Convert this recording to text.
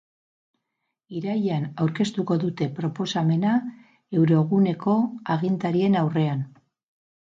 Irailean aurkeztuko dute proposamena euroguneko agintarien aurrean.